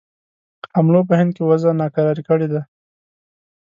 حملو په هند کې وضع ناکراره کړې ده.